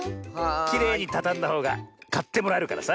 きれいにたたんだほうがかってもらえるからさ。